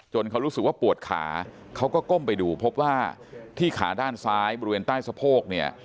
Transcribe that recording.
เขารู้สึกว่าปวดขาเขาก็ก้มไปดูพบว่าที่ขาด้านซ้ายบริเวณใต้สะโพกเนี่ย